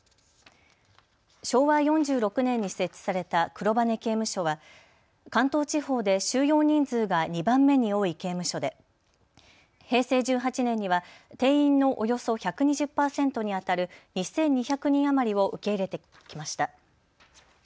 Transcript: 昭和４６年に設置された黒羽刑務所は関東地方で収容人数が２番目に多い刑務所で平成１８年には定員のおよそ１２０％にあたる２２００人余りを受け入れてきました。